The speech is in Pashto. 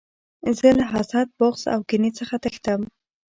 زه له حسد، بغض او کینې څخه تښتم.